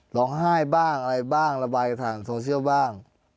ร้องไห้บ้างอะไรบ้างระบายผ่านโซเชียลบ้าง